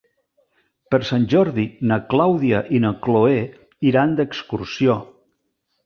Per Sant Jordi na Clàudia i na Cloè iran d'excursió.